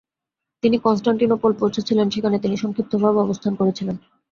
তিনি কনস্ট্যান্টিনোপলে পৌঁছেছিলেন যেখানে তিনি সংক্ষিপ্তভাবে অবস্থান করেছিলেন।